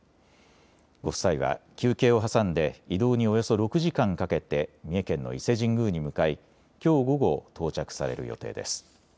ご夫妻は休憩を挟んで移動におよそ６時間かけて三重県の伊勢神宮に向かいきょう午後、到着される予定です。